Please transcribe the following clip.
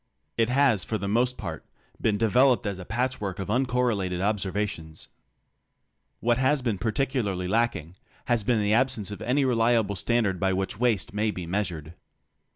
It has for the most part been developed as a patchwork of uncor related observations. What has been particularly lacking has been the absence of any reliable standard by which waste may be measured.